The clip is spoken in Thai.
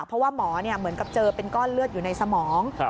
เพราะว่าหมอเหมือนกับเจอเป็นก้อนเลือดอยู่ในสมอง